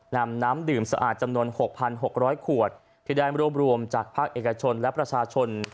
นำน้ำดื่มสะอาดจำนวน๖๖๐๐ขวดที่ได้รวบรวมจากภาคเอกชนและประชาชน